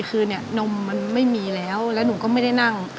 คือเนี่ยนมมันไม่มีแล้วแล้วหนูก็ไม่ได้นั่ง